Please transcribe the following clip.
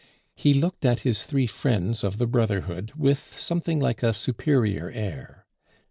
He looked at his three friends of the brotherhood with something like a superior air.